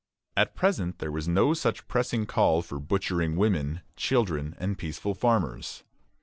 At present there was no such pressing call for butchering women, children, and peaceful farmers.